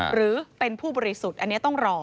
หรือเป็นผู้บริสุทธิ์อันนี้ต้องรอ